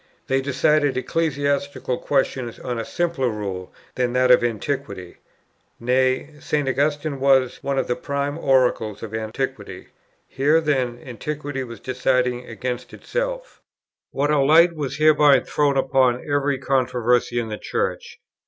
They decided ecclesiastical questions on a simpler rule than that of Antiquity; nay, St. Augustine was one of the prime oracles of Antiquity; here then Antiquity was deciding against itself. What a light was hereby thrown upon every controversy in the Church!